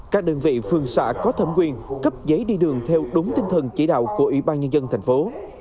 các đơn vị phương xã có thẩm quyền cấp giấy đi đường theo đúng tinh thần chỉ đạo của ủy ban nhân dân thành phố